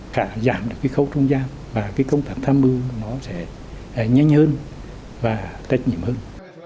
và giảm được khấu trung gian và công tác tham mưu sẽ nhanh hơn và trách nhiệm hơn